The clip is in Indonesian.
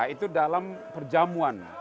itu dalam perjamuan